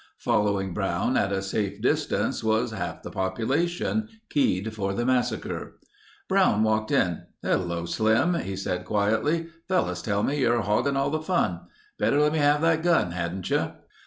Following Brown at a safe distance, was half the population, keyed for the massacre. Brown walked in. "Hello, Slim," he said quietly. "Fellows tell me you're hogging all the fun. Better let me have that gun, hadn't you?"